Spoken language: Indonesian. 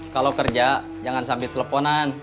kalau kerja jangan sampai teleponan